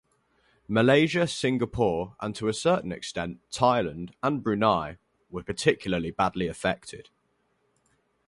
Malaysia, Singapore and to a certain extent, Thailand and Brunei were particularly badly affected.